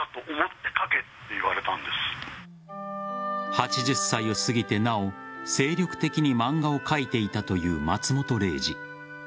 ８０歳を過ぎてなお精力的に漫画を描いていたという松本零士。